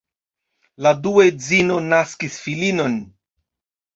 La dua edzino naskis filinon.